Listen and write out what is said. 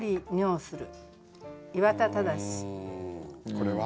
これは？